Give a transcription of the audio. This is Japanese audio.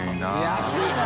安いな！